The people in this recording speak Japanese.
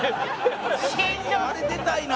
あれ出たいな。